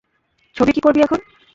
ছবি কী করবি এখন?